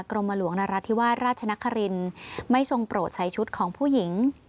กรมหลวงนรัฐธิวาสราชนครินไม่ทรงโปรดใส่ชุดของผู้หญิง